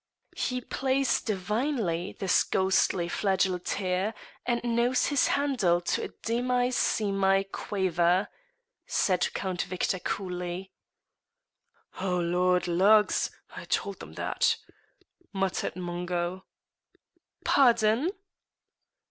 "He plays divinely, this ghostly flageoleteer, and knows his Handel to a demi semi quaver," said Count Victor coolly. "O Lord! lugs! I told them that!" muttered Mungo. "Pardon!"